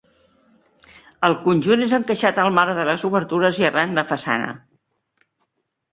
El conjunt és encaixat al marc de les obertures i arran de façana.